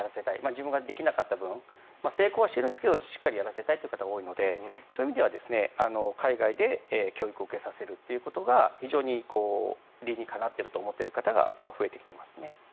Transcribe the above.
自分ができなかった分成功はしてるんですけどしっかりやらせたいという方が多いのでそういう意味では、海外で教育を受けさせるということが非常に、理にかなっていると思っている方が増えてきていますね。